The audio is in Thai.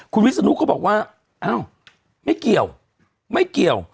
คุณวิศนุเขาบอกว่าอ้าวไม่เกี่ยวไม่เกี่ยว